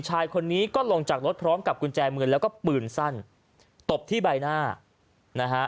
ชายคนนี้ก็ลงจากรถพร้อมกับกุญแจมือแล้วก็ปืนสั้นตบที่ใบหน้านะฮะ